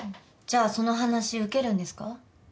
じゃあその話受けるんですか？